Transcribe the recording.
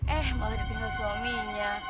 eh malah ditinggal suaminya